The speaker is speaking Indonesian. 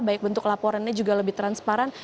baik bentuk laporannya juga lebih transparan